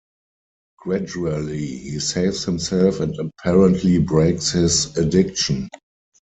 Gradually, he saves himself and apparently breaks his addiction.